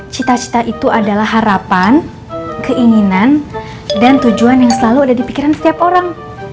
cita cita itu adalah harapan keinginan dan tujuan yang selalu ada di pikiran setiap orang